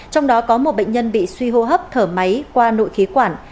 trong đó có một bệnh nhân bị suy hô hấp thở máy qua nội khí quản